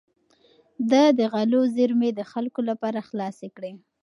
ده د غلو زېرمې د خلکو لپاره خلاصې کړې.